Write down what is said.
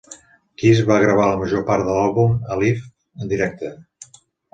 Kiss va gravar la major part de l'àlbum "Alive!" en directe.